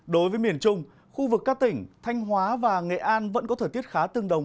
đối với miền trung khu vực các tỉnh thanh hóa và nghệ an vẫn có thời tiết khá tương đồng